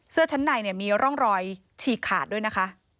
เสื้อชั้นในเนี่ยมีร่องรอยฉีกขาดด้วยนะคะ